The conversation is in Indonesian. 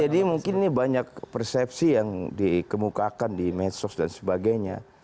jadi mungkin ini banyak persepsi yang dikemukakan di medsos dan sebagainya